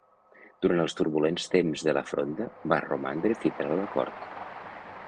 Durant els turbulents temps de La Fronda va romandre fidel a la cort.